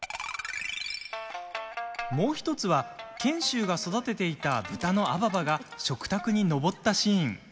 もう１つは賢秀が育てていた豚のアババが食卓に上ったシーン。